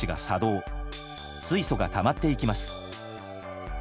水素がたまっていきます。